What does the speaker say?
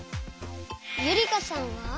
ゆりかさんは？